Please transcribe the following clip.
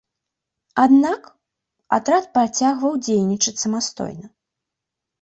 Аднак, атрад працягваў дзейнічаць самастойна.